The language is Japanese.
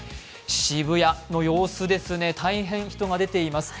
渋谷の様子ですね、大変人が出ています。